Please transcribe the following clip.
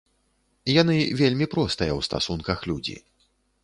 Яны вельмі простыя ў стасунках людзі.